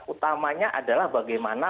utamanya adalah bagaimana